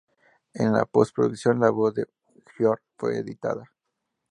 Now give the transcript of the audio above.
En la post-producción, la voz de Björk fue editada.